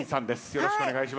よろしくお願いします。